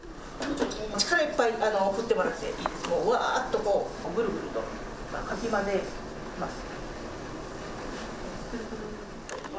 力いっぱい振ってもらっていいです、もううわーっと、ぐるぐると。かき混ぜます。